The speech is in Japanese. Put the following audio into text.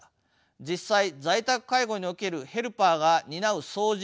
実際在宅介護におけるヘルパーが担う掃除